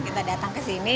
kita datang ke sini